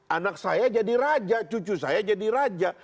anak saya jadi raja cucu saya jadi raja